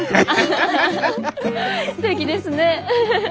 すてきですね。